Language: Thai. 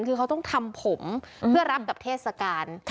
คือเขาต้องทำผมเพื่อรับกับเทศกาล